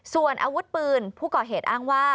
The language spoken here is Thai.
ส่วนอาวุธปืนผู้ก่อเหตุอ้างว่า